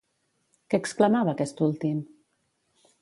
Què exclamava aquest últim?